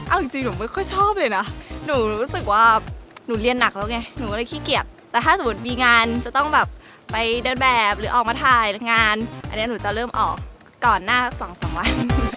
เอาจริงหนูไม่ค่อยชอบเลยนะหนูรู้สึกว่าหนูเรียนหนักแล้วไงหนูก็เลยขี้เกียจแต่ถ้าสมมุติมีงานจะต้องแบบไปเดินแบบหรือออกมาถ่ายงานอันนี้หนูจะเริ่มออกก่อนหน้าสองสามวัน